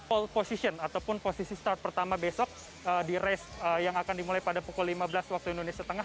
all position ataupun posisi start pertama besok di race yang akan dimulai pada pukul lima belas waktu indonesia tengah